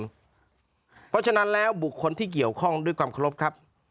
เพราะฉะนั้นแล้วบุคคลที่เกี่ยวข้องด้วยความเคารพครับ